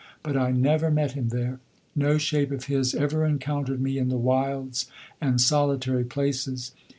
But I never met him there. No shape of his ever encountered me in the wilds and solitary places.